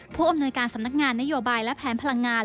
ผู้อำนวยการสำนักงานนโยบายและแผนพลังงาน